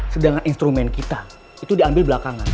sedangkan instrumen kita itu diambil belakangan